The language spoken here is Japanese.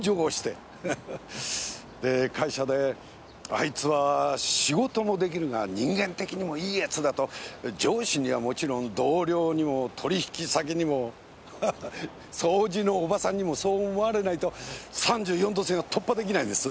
で会社であいつは仕事も出来るが人間的にもいい奴だと上司にはもちろん同僚にも取引先にもハハハ掃除のおばさんにもそう思われないと３４度線は突破出来ないんです。